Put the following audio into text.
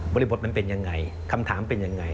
ริบทมันเป็นยังไงคำถามเป็นยังไง